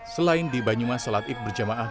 selain di banyuma sholat id berjemaah